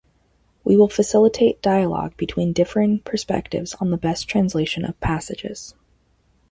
We will facilitate dialogue between differing perspectives on the best translation of passages.